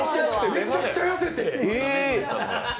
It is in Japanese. めちゃくちゃ寄せてる。